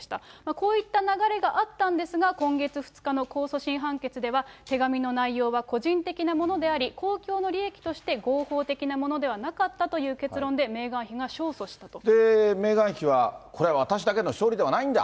こういった流れがあったんですが、今月２日の控訴審判決では、手紙の内容は個人的なものであり、公共の利益として合法的なものではなかったという結論で、メーガメーガン妃は、これは私だけの勝利ではないんだ。